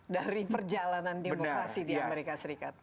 dari perjalanan demokrasi di amerika serikat